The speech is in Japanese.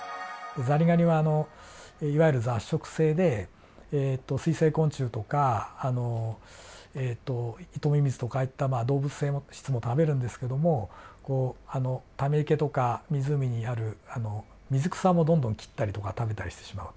ザリガニはいわゆる雑食性で水生昆虫とかえっとイトミミズとかああいった動物性質も食べるんですけどもこうため池とか湖にある水草もどんどん切ったりとか食べたりしてしまうと。